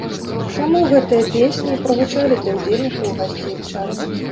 Таму гэтыя песні і прагучалі для ўдзельнікаў і гасцей вечарыны.